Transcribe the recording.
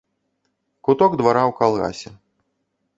Куток двара ў калгасе.